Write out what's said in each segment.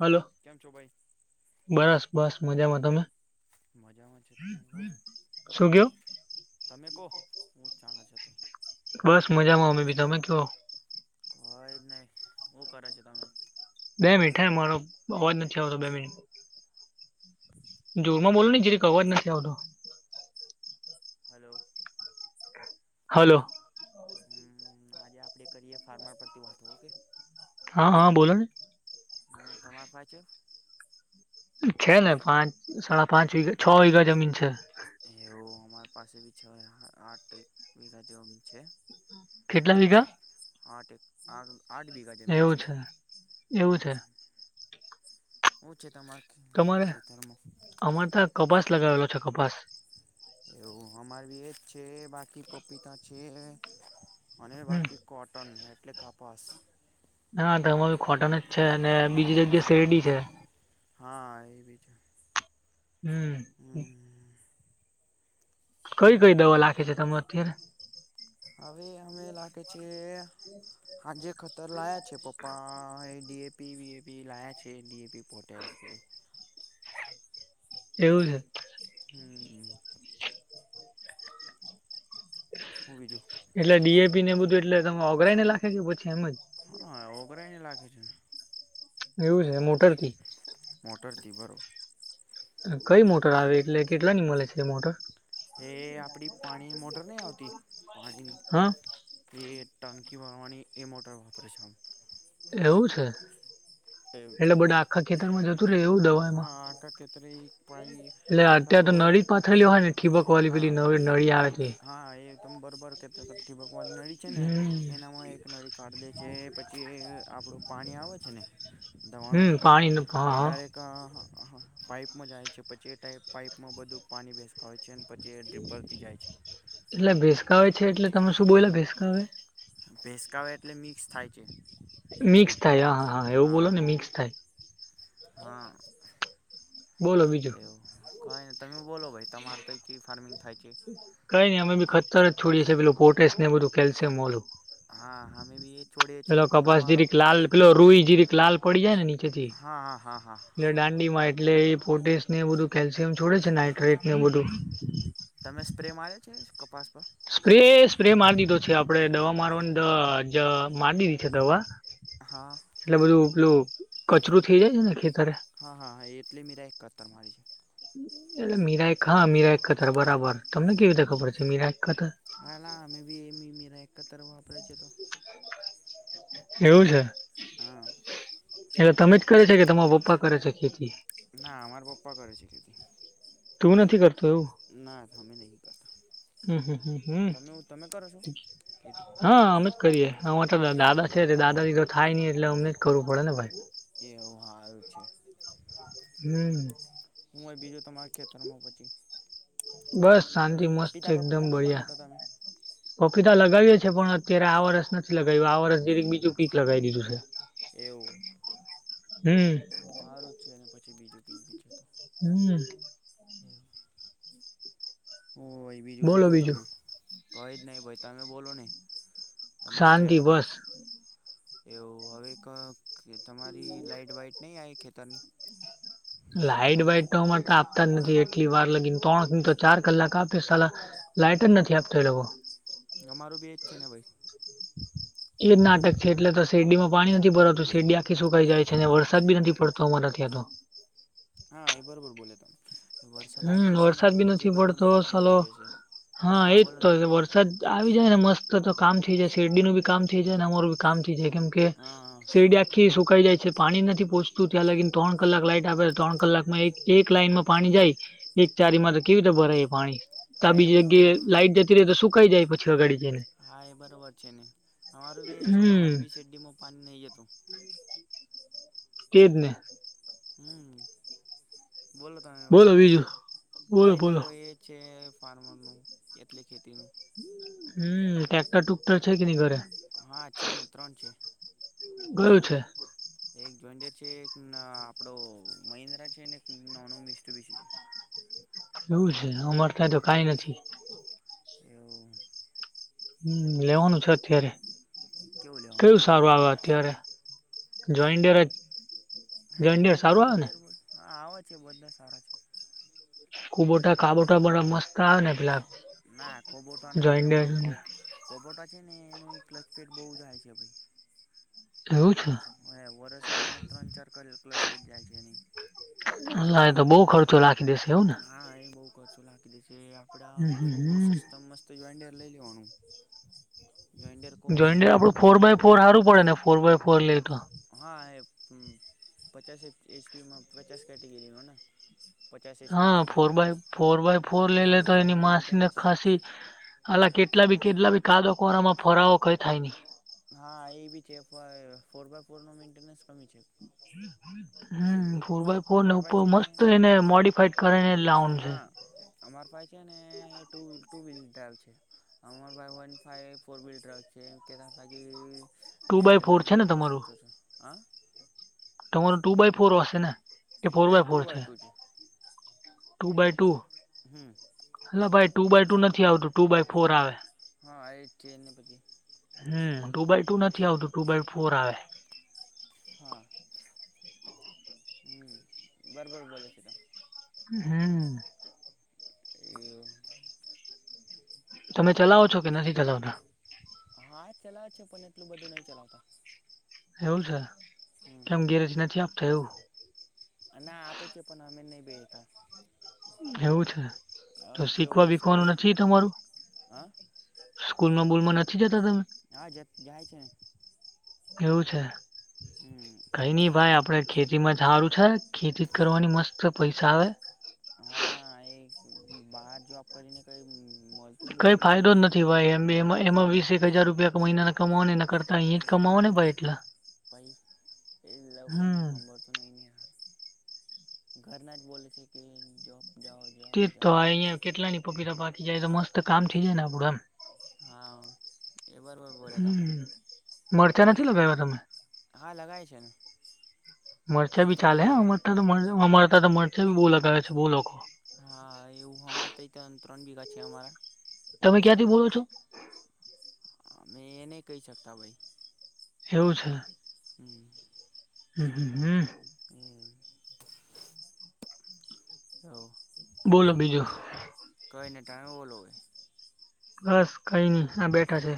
Hello કેમ છો ભાઈ બસ બસ મજામાં તમે? મજામાં છે તમે હો. શું કયો તમે કો હું ચાલે છે. તઈ બસ મજામાં અમે બી તમે કયો? હોય જ નહીં હું કરે છે તમે? બે મિનિટ હે મારો અવાજ નથી આવતો બે મિનિટ. જોરમાં બોલ ને જરિક ક અવાજ નથી આવતો. હલો. હલો. આજે આપડે કરીએ ફાર્મર પરથી વાતો ઓકે. હા હા બોલોને. હમ્મ તમાર પાહે છે? છે ને પાંચ સાડા પાંચ વી છો વીગા જમીન છે. એવું અમારી પાસે બી છ આઠ વિગા જમીન છે. કેટલા હો વીઘા આઠ એ આ એવું છે એવું છે. હમ હું છે તમાર તમારે અમારે ત્યાં કપાસ લગાવેલો છે કપાસ. એવું અમાર એજ છે બાકી પપીતા છે અને હમ બાકી કોટન એટલે કપાસ. ના તોમાં બી કોટન જ છે અને બીજી જગ્યા શેરડી છે. હા, એ બી છે. હમ્મ હમ્મ. હમ કઈ કઈ હમ દવા લાખે છે તમે અત્યારે? હવે અમે લાગે છે હા જે ખતર લાયા છે પપ્પા એ ડી એ પી વી એ પી લાયા છે એ ડીએપી પોતે જ. [inaudible] એવું છે. હમ્મ. હું બીજું એટલે ડી એ પી ને એ બધું એટલે તમે ઓઘરાઈને લાખે કે પછી એમ જ? હા [inaudible] એવું છે. મોટર કી. મોટર કી, બરોબર. એટલે કંઈ મોટર આવે એટલે કેટલા ની મલે છે એ મોટર? એ આપડી પાણી મોટર નહીં આવતી પાણીની? હા એ ટંકી ભરવાની એ મોટર વાપરે છે આમ. એવું છે. એવું છે એટલે બધા આખા ખેતરમાં જત હા. આખા ખેતરે એટલે ઈ [unintelligible] પહેલી નવી નળી આવે છે. [unintelligible] નળી છે ને હમ એનામાં એક નળી કાઢ દે જે પછી આપણું પાણી આવે છે ને હમ્મ. પાણી નું, હા, હા. હા, હા, હા. પાઈપમાં જાય છે પછી એ ટાઈપ પાઈપમાં બધું પાણી બેસતા હોય છે અને એ પછી એ ડ્રીપરથી જાય છે. એટલે ભેસકાવે છે એટલે તમે શું બોઈલાં ભેસકાવે? ભેંસકાવે એટલે મિક્સ થાય છે. મિક્સ થાય, હા, હા, હા એવું બોલો ને મિક્સ થાય. હા બોલો બીજું એવું કાંઈ નથ તમે બોલો ભાઈ તમારે તેઈ કેવી ફાર્મિંગ થાય છે? કંઈ નઈ અમે બી ખતર જ છોડીએ છીએ પેલું પોટેશ ને એ બધું કેલ્શિયમ ઓલું. હા અમે બી એ છોડીએ પેલો છીએ પણ કપાસ અમારો જીરીક લાલ પેલો રૂઈ જીરીક લાલ પડી જાય ની તેથી, હા હા હા હા ને દાંડી માં એટલે ઈ પોટેશને એવું બધું કેલ શિયમ છોડે છે નાઇટરેટ ને એ બધું. તમે સ્પ્રે માર્યો છે કપાસ પર સ્પ્રે-સ્પ્રે માર દીધો છે આપણે દવા મારવાની દવા જ મારી દીધી છે દવા. હા એટલે બધું પેલું કચરું થઇ જાય છે ને ખેત હા, હા, હા, એટલે મીરા એ કત્તર મારી. એટલે મીરાય હા મીરાય ખતર બરા બર. તમને કેવી રીતે હમ ખબર છે મીરા એ કતર હાલા અમે બી [unintelligible] વાપરે છે તો. એવું છે. હા એટલે તમે જ કરે છે કે તમારા પપ્પા કરે છે ખેતી? ના અમાર પપ્પા કરે છે ખેતી. તું નથી કર ના, ના અમે નહીં. કરતા હમ્મ-હમ્મ-હમ્મ-હમ્મ! તમે તમે કરો છો ખેતી હા અમે જ કરીએ. અમાર તો દાદા એવું છે, તે દાદાજી તો થાય નહીં, એટલે અમને જ કરવું પડે ને ભાઈ. એવું, હારું છે. હમ્મ. હું હે બીજું તમારા ખેતરમાં પછી? બસ શાંતિ મસ્ત પપીતા એકદમ પપીતા નહીં લગાવતા તમે બઢિયાં. [unintelligible] લગાવીએ છીએ, પણ અત્યારે આ વર્ષ નથી લગાવ્યું, આ વર્ષ જીરીક બીજું કીક લગાવી દીધું છે. એવું. હમ મારું જ છેને પછી બીજું [unintelligible] હમ્મ. ઓ ભાઈ બીજું બોલો તમે, કહે જ નહીં ભાઈ તમે બોલો ને. તમારી કે. શાંતિ બસ એવું હવે તમારી લાઈટ વાઈટ નહી આવે ખેતરની? લાઈટ વાાઈટ તો અમારે તો આપતા જ નથી એટલી વાર લગીને ત્રણ ની તો ચાર કલાક આપી સલા. લાઈટર નથી આપતો લેવો. અમારું બી એજ છે ને ભાઈ. એ જ નાટક છે. એટલે તો શેરડી માં પાણી નથી ભરાતું. શેરડી આખી સુકાઈ જાય છે. અને વરસાદ બી નથી પડતો અમારા. [unintelligible] હા એ બરોબર બોલે તો. વરસાદ હમ આવી જશે ને વરસાદ તો બી પછી એ નથી બને પડતો મોટર બંધ સાલો થઈ જશે. હા એજ બોલો ને. તો. વરસાદ આવી જાય ને મસ્ત. તો કામ થઈ જાય, શેરડી નનું બી કામ થઈ જાય, અને અમારું કામ થઈ જાય. કેમ કે હા શેરડી આખી સુંકાઈ જાય છે. પાણી નથી પોહચતું ત્યાં લાગીને ત્રણ કલાક લાઈટ આવે. ત્રણ કલાકમાં એક લાઈનમાં પાણી જાય. એક ચારી માં તો કેવી રીતે ભરાય પાણી. હા તો એ બીજી બરોબર જગ્યાએ લાઈટ જતી રે તો શ કઈ જાય પછી ગાડી. હા! એ બરોબર છે ને, અમારું બી એ છે, હમ અમારી બી શેરડીમાં પાણી નહી જતું. કેજ ને. હમ બોલો તમે બોલો ભાઈ, બીજું બોલો કઈ ને બોલો ભાઈ એ છે. ફાર્મર નું એટલે ખેતી ન હમ ટટેક્ટર ટુક્ટર છે કે ન ઘરે? હા છે ને ત્રણ છે. કયું છે? એક જોિર છે, એક આપડો મિન્દ્રા છે, નોનુ મિસ્ટુ. એવું છે, અમર ત તો કઈ નથી. [inaudible] હમ લેવાનું છે, અત્યારે કેવું લેવાનું કયું છે. સારું આવે અત્યારે. જઈન્ટન્ટરજ. હ જો છે બધા સારા છે. [unintelligible] કુબટા કાબોટા બડા [unintelligible] ના કોબોટા નઈ લેવાનું. કોબોટો ને એનું ક્લચપેટ બહુ જાય છે ભાઈ. એવું છે? વર્ષમાં ત્રણ ચાર ક્લચપેટ જાય છે એની. ના એ તો બહું ખર્ચો લાગે. હા એ બહું ખર્ચો લાગી દે છે. આપડા હમ હમ આપડું સસ્ત હમ મસ્ત જો. લઈ લેવાનું. જોઈન્ડર કો જોઈડ મહિન્દ્રા આપડું કો ફોર બાય ફોર સારું પડે ને. ફોર બાય ફોર લઈ તો. હા! એ પચાસ એચપીમાં પચાસ કેટેગરીમાં ને. પચાસ એચપીની હા! ફોર કેટેગરીનો બાય ફોર બાય હા ફોર એ લઈ લે સારું તો, છે એની એનો માસીને મેન્ટેનન્સ ખાસી. અલા કેટલા બી હા કેટલા બી, કાદો કોરામાં ફરાવો કઈ થાય નહી. હા! એ બી છે. ફોર બાય ફોર નો મેન્ટનસ કમી છે. ટુ હમ વ્હીલથી ફોર બાય ફોર ને અમારી પાસે ઉપર છે ને મસ્ત એને મોડીફાઈડ કરને લઉન્ડ છે. હા અમાર પાસે છે ને, ટુ વ્લ ટુ [unintelligible] બાય ફોર મેન્ટનસ છે ને બહૂં કો તમારું ઓછો છે હ. ટુ બાય ફોર ને એસે ને? કે ફોર ના. ટુ ફોર બાય ટુ છે. Two by two? હમ હ ભાઈ ટુ બાય ટુ નથી આવતું. ટુ બાય ફોર આવે. હા! એ જ છે એને પછી. હમ! ટુ બાય ટુ નથી આવતું. ટુ બાય ફોર આવે. હા! હમ બરોબર બોલે છે તમે. હમ! [inaudible] તમે ચલાવો છો કે નથી ચલાવતા? હા ચલાવે છે. પણ એટલું બધું નહી ચલાવતા. એવું છે. હમ કેમ ગેરજ નથી આપતો એવું? ના આપે છે. પણ અમે નહી બેહેતા. એવું છે. તો શીખવા સવય બીખવાનું નથી તમારું? હા સ્કૂલ માં બૂલમાં નથી જતી? હા! જ જાય છે. એવું છે. હમ કઈ નહીં ભાઈ આપડે. ખેતી માં ઝાજુ છે ખેતી કરવાની મસ્ત પૈસા આવે. હા ના એક બહાર જોબ કરીને કઈ. [unintelligible] કઈ ફાયદો જ નથી ભાઈ. એમ એમાં વીસે એક હજાર રૂપિયા મહિના કમાવ ને એન કરતા. અહીંયા જ કમાવો ને હમ ભાઈ એટલા. પઈ એ લોકોને હમ સાંભળતું નહી. ઘરના જ બોલે છે. કે જોબ જાઓ જોબ તેજ તો. આ જાઓ અહિયાયા કેટલાની પપીતા પાકી જાય તો, મસ્ત કામ થઈ જાય ને આપડું એમ. હા! એ બરોબર બોલે તમ હમ મરચા નથી લગયા તમે? હા લગાય છે ને એ મરચાં બી ત્રણ ચાલે. વીઘા અમરતા અમરતા તો મરચા ભી બહુ લગાવે છે બહુ લોકો. હા એવું અમારે તો ત્રણ વીઘા છે અમારા. તમે ક્યાંથી બોલો છો? અમે નહી કઈ શકતા ભાઈ. એવું છે? હમ! હમ હ હમ! [inaudible] બોલો બીજું. [unintelligible] [unintelligible] બસ કઈ નહી. આ બેઠા છે.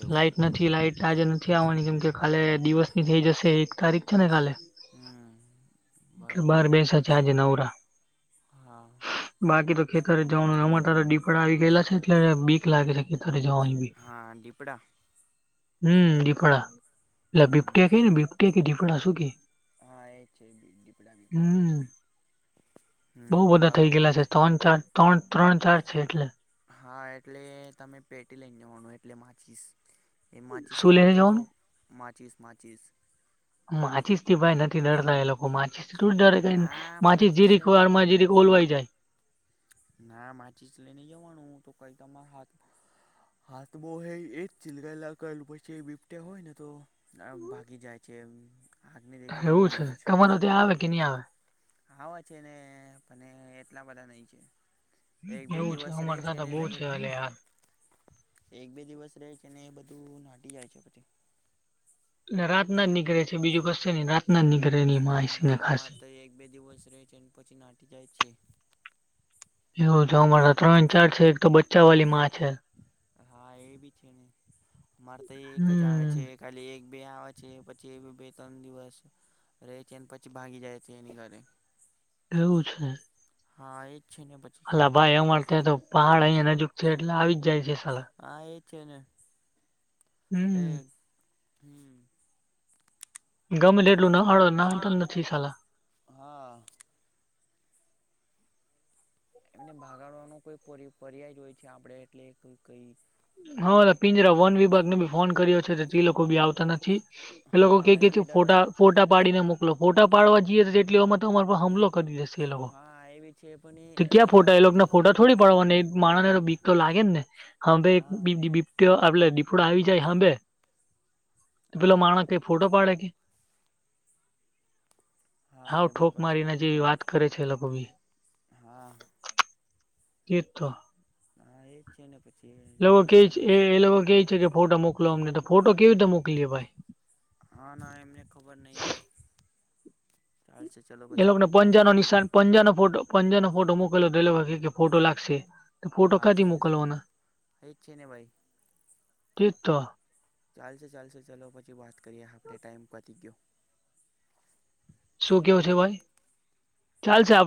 એવું લાાઈટ નથી લાાઈટ. આજે નથી આવવાની. કેમ કે કાલે દિવસની થઈ જશે. એક તારીખ છે ને એટલે હમ. બાર બરોબર બેસા છે આજે નવરા. હા! બાકી તો ખેતર જવાનું. આમા તો દીપડા આવી ગયેલા છે. એટ બીક લાગે છે રે જવાની બી હા દીપડા હમ દીપડા. લ હમ બિબટિયા ક ને બિબટિયા કે દીપડાસુ કે. હા એજ છે. દીપડા દીપડા હમ બહુ બધા થઇ ગેલા છે ત્રણ ચાર ત્રણ ત્રણ ચાર છે હા એટલે તમે પેટી લઈ જવાનુ એટલે માચીશ એ માચીસ શું હોય ને લઈને તો જવાનું માચીસ માચીસ માચીસ થી ભાઈ નથી ડરતા એ લોકો માચીસ દૂર તારે કઈ નઈ ના માચીસ જીરિક લઈને વાર મા જરીક ઓલવાઈ જાય ના માચીજ લઈ નઈ જવાનું કઈ તમાર હાથ માં હાથ બો હે એજ ચીલગલા પછી બીપત્યા હોય ને તો ભાગી જાય છે એમ [inaudible] એવું છે તમારે ત્યાં આવે કે ની આવે આવા છે ને પણે એટલા બધા નહીં છે એક બે એવું છે દિવસ અમર રહે તા તો ને બહુ લગે છે અલયા એક બે દિવસ રહે છે ને એ બધું નાટી જાય છે પછી રાત ના જ નીકળે છે બીજું કશે ની રાત ના નીક નીકળે ના અમારે તો એક બે દિવસ રહે છે અને પછી નાઠી જાય છે એવું જો અમારા ત્રણ ચાર છે એક તો બચ્ચા વાલી માં છે હા એ બી છે ને મારે તો એ એક જ આવે હમ છે ખાલી એક બે આવે છે પછી બી બે ત્રણ દિવસ રે છે અને પછી ભાગી જાય છે એની ઘરે એવું છે હા એ અલા ભાઈ અમાર ત્યા તો પહાડ અહીયા નજીક છે એટલે આવી જ જાય છે. સાલા હા એ છે ને. એ હમ. હમ. ગમે એટલું નાગડો નાહતા જ નથી સાલા. હા એમને ભાગાડવાનો કોઈ પર્યાય જ હોય છે આપડે એટલે કઈ. હા પિંજરા વન વિભાગને બી ફોન કર્યો છે તે લોકો બી આવતા નથી. એ લોકો હા કે કે બી તું ડર ફોટા ફોટા પાડીને મોકલો ફોટા પાડવા જઈએ એટલે એટલી વાર માં હમલો કરી દેશે એ લોકો હા એ બી છે પણ તો ક્યાં આપ ફોટા એ લોકો ના ફોટા થોડી પાડવાને એક માણસ ને બીક તો લાગે ને હમભે હા બીપયો આપડે દીપોડો આવી જાય હાંભે તો પેલો હા માણ કઈ ફોટો પાડે કે હા એ ઠોક બરાબર છે મારીને જેવી વાત કરે છે એ લોકો ભી હા તે જ તો હા એજ છે ને પછી એ લોકો કે દીપડે છે આમ જ એ એ લોકો કે છે કે ફોટો મુક મોકલો અમને તો ફોટો કેવી રીતે મોકલિયે ભાઈ હા ના એમને ખબર નહિ એ લોકોને પંજાનો નિશાન પંજાનો ફોટો પંજાનો ફોટો મોકલે લો એ લોકો કે ફોટો લાગશે તો ફોટો હા ક્યાંથી ચાલ મોકલવાના એજ છે ને ભાઈ તે તો. ચાલશે ચાલશે ચાલો પછી વાત કરીએ આપડે ટાઈમ પતી ગયો. શું કેવું છે ભાઈ ચાલ છે આપડા.